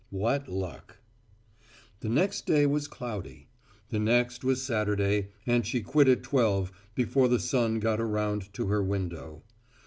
What luck! The next day was cloudy. The next was Saturday and she quit at twelve, before the sun got around to her window.